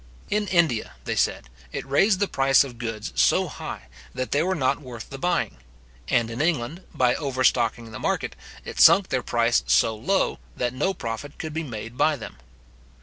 In India, they said, it raised the price of goods so high, that they were not worth the buying; and in England, by overstocking the market, it sunk their price so low, that no profit could be made by them.